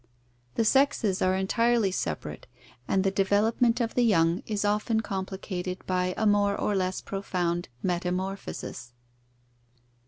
The sexes are entirely separate and the development of the young is often complicated by a more or less profound metamorphosis.